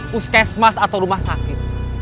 puskesmas atau rumah sakit